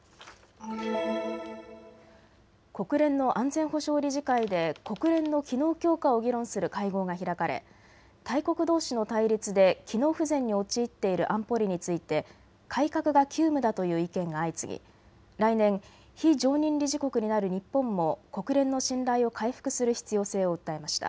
国連の安全保障理事会で国連の機能強化を議論する会合が開かれ、大国どうしの対立で機能不全に陥っている安保理について改革が急務だという意見が相次ぎ来年、非常任理事国になる日本も国連の信頼を回復する必要性を訴えました。